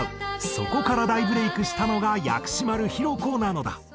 そこから大ブレークしたのが薬師丸ひろ子なのだ。